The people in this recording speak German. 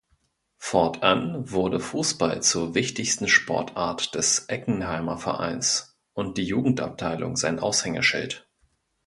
Fortan wurde Fußball zur wichtigsten Sportart des Eckenheimer Vereins und die Jugendabteilung sein Aushängeschild.